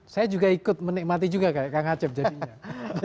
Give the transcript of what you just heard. saya juga ikut menikmati juga kak acep jadinya